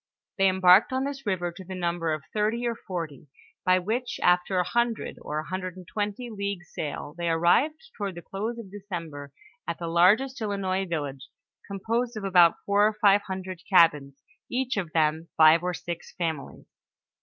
They embarked on this river to the number of thirty or forty, by which after a hundred, or a hundred and twenty leagues sail, they arrived toward the close of December, at the largest Ilinois village, composed of about four or five hundred cabins, each of five or six families.